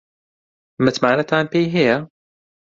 متمانەتان پێی هەیە؟